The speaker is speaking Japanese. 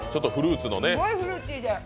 すごいフルーティーで。